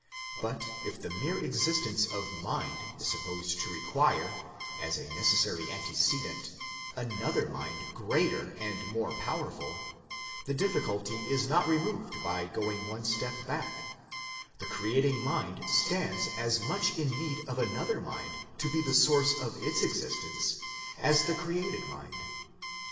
But if the mere exist ence of Mind is supposed to require, as a necessary antecedent, another Mind greater and more powerful, the difficulty is not removed by going one step back : the creating mind stands as much in need of another ARGUMENT FOR A FIRST CAUSE 151 mind to be the source of its existence, as the created mind.